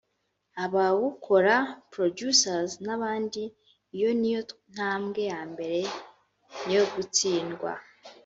abawukora (Producers) n’abahanzi iyo niyo ntambwe yambere yo gutsindwa